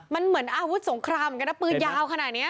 มันเหมือนอาวุธสงครามเหมือนกันนะปืนยาวขนาดนี้